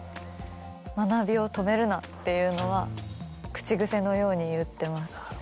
「学びを止めるな」っていうのは口癖のように言ってます。